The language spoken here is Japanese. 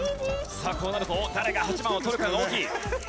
さあこうなると誰が８番を取るかが大きい。